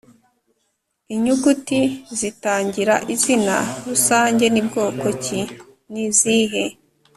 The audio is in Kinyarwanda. inyuguti zitangira izina rusange ni bwoko ki? ni izihe?